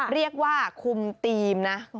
เรียกว่าคุมธีมนะ